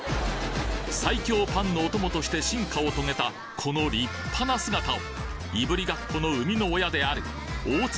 最強パンのお供として進化を遂げたこの立派な姿をいぶりがっこの生み親である大綱